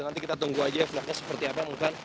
nanti kita tunggu aja vlognya seperti apa